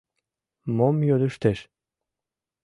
— Мом йодыштеш?